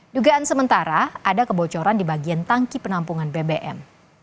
dugaan sementara ada kebocoran di bagian tangki penampungan bbm